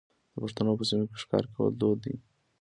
د پښتنو په سیمو کې ښکار کول دود دی.